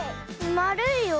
まるいよ。